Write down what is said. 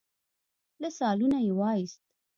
له سالونه يې وايست.